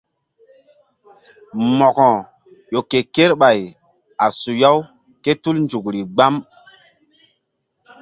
Mo̧ko ƴo ke kerɓay a suya-u ké tul nzukri gbam.